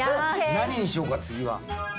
何にしようか次は。